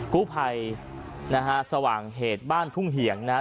กู้ภัยนะฮะสว่างเหตุบ้านทุ่งเหี่ยงนะฮะ